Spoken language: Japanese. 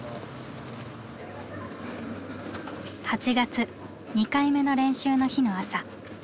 ８月２回目の練習の日の朝。